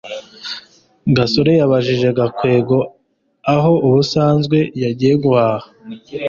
gasore yabajije gakwego aho ubusanzwe yagiye guhaha